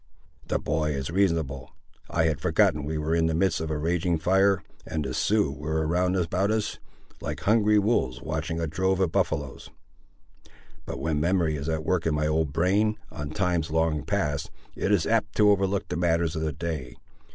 "The boy is reasonable. I had forgotten we were in the midst of a raging fire, and that Siouxes were round about us, like hungry wolves watching a drove of buffaloes. But when memory is at work in my old brain, on times long past, it is apt to overlook the matters of the day.